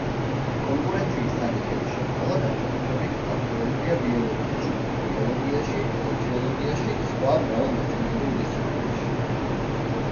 კონკურენციის საკითხების შესწავლა განსაკუთრებით აქტუალურია ბიოლოგიაში, ეკოლოგიაში, სოციოლოგიაში, სხვა მრავალ მეცნიერულ დისციპლინაში.